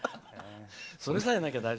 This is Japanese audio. それさえなきゃ大丈夫。